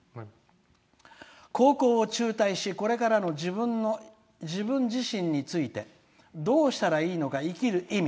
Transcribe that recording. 高校を中退してこれからの自分自身についてどうしたらいいのか生きる意味。